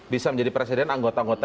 bisa menjadi presiden anggota anggota